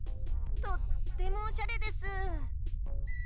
とってもおしゃれです。